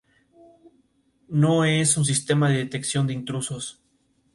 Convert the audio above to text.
El hospital local, que durante muchos años dirigió, lo conmemora llevando su nombre.